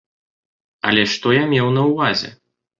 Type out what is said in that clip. Але што я меў на ўвазе?